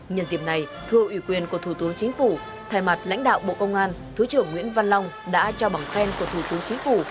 nhân dịp này thưa ủy quyền của thủ tướng chính phủ thay mặt lãnh đạo bộ công an thứ trưởng nguyễn văn long đã trao bằng khen của thủ tướng chính phủ